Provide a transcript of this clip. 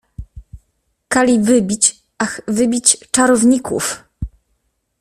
— Kali wybić, ach, wybić czarowników!